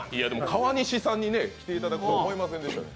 川西さんに来ていただくとは思いませんでした。